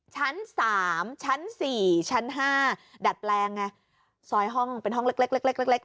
ชั้นสามชั้นสี่ชั้นห้าดัดแปลงไงซอยห้องเป็นห้องเล็กเล็กเล็กเล็กเล็ก